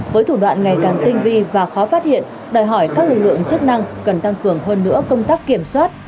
với thủ đoạn ngày càng tinh vi và khó phát hiện đòi hỏi các lực lượng chức năng cần tăng cường hơn nữa công tác kiểm soát